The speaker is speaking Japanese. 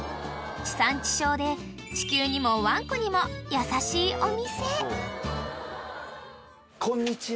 ［地産地消で地球にもワンコにも優しいお店］